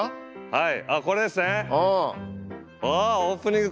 はい。